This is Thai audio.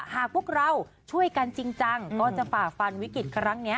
หากพวกเราช่วยกันจริงจังก็จะฝ่าฟันวิกฤตครั้งนี้